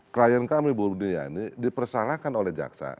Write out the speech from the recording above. klien kami bu buniyani dipersalahkan oleh jaksa